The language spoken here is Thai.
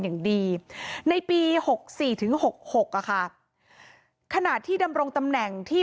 อย่างดีในปีหกสี่ถึงหกหกอะค่ะขณะที่ดำรงตำแหน่งที่